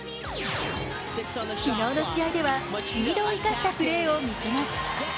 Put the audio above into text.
昨日の試合ではスピードを生かしたプレーを見せます。